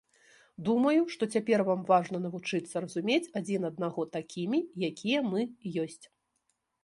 Думаю, што цяпер вам важна навучыцца разумець адзін аднаго такімі, якія мы ёсць.